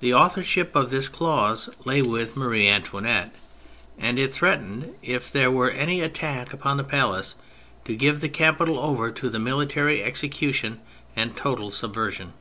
The authorship of this clause lay with Marie 116 THE FRENCH REVOLUTION Antoinette, and it threatened, if there were any attack upon the palace, to give the capital over to military execution and total sub version.